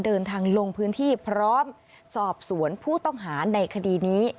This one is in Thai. เดินทางลงพื้นที่พร้อมสอบสวนผู้ต้องหาในคดีนี้